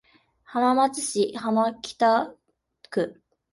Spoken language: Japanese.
浜松市浜北区